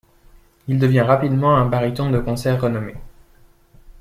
Il devient rapidement un baryton de concert renommé.